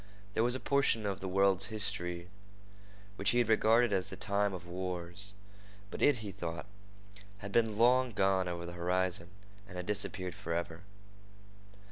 There was a portion of the world's history which he had regarded as the time of wars, but it, he thought, had been long gone over the horizon and had disappeared forever.